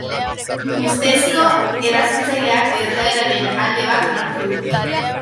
Ustezko erasotzaileak gertaeraren alde bat onartu du.